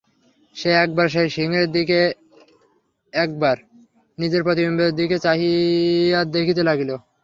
সে একবার সেই সিংহের দিকে, একবার নিজের প্রতিবিম্বের দিকে চাহিয়া দেখিতে লাগিল।